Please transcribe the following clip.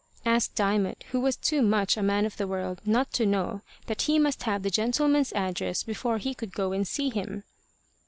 asked Diamond, who was too much a man of the world not to know that he must have the gentleman's address before he could go and see him.